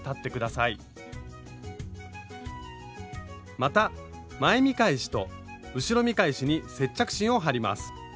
また前見返しと後ろ見返しに接着芯を貼ります。